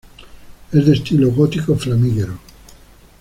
Es de estilo gótico flamígero.